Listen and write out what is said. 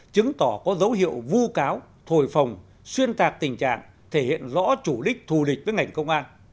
chứng tỏ có dấu hiệu vu cáo thổi phồng xuyên tạc tình trạng thể hiện rõ chủ đích thù địch với ngành công an